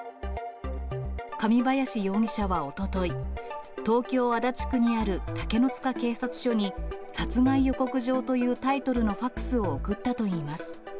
神林容疑者はおととい、東京・足立区にある竹の塚警察署に、殺害予告状というタイトルのファックスを送ったといいます。